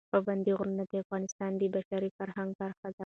پابندی غرونه د افغانستان د بشري فرهنګ برخه ده.